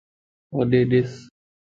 ھوڏي دِس